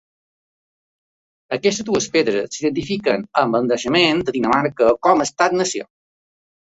Aquestes dues pedres s'identifiquen amb el naixement de Dinamarca com a estat nació.